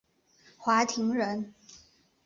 华亭人。